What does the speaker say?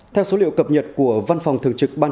theo số liệu cập nhật của văn phòng thường trực ban